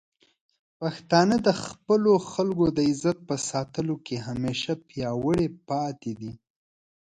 پښتانه د خپلو خلکو د عزت په ساتلو کې همیشه پیاوړي پاتې دي.